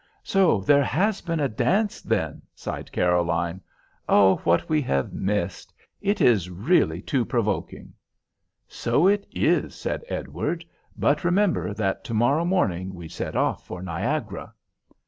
"So there has been a dance, then!" sighed Caroline. "Oh, what we have missed! It is really too provoking." "So it is," said Edward; "but remember that to morrow morning we set off for Niagara."